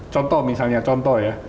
contoh misalnya contoh ya